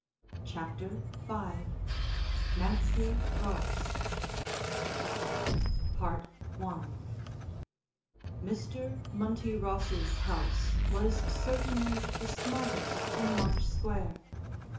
CHAPTER V NANCY ROSS I Mr. Munty Ross's house was certainly the smartest in March Square; No.